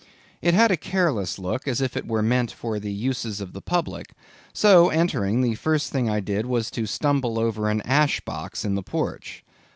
It had a careless look, as if it were meant for the uses of the public; so, entering, the first thing I did was to stumble over an ash box in the porch.